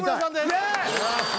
イエーイ！